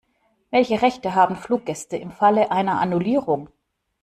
Welche Rechte haben Fluggäste im Falle einer Annullierung?